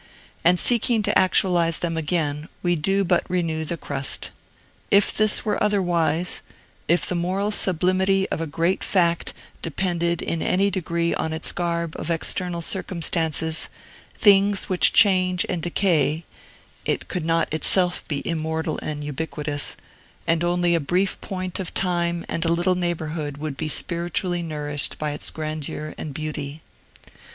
And seeking to actualize them again, we do but renew the crust. If this were otherwise, if the moral sublimity of a great fact depended in any degree on its garb of external circumstances, things which change and decay, it could not itself be immortal and ubiquitous, and only a brief point of time and a little neighborhood would be spiritually nourished by its grandeur and beauty.